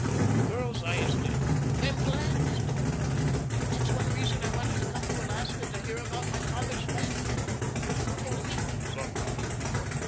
The girl's eyes lit. "I'm glad, Mr. Macdonald. That's one reason I wanted to come to Alaska to hear about my father's life here. Will you tell me?" "Sometime.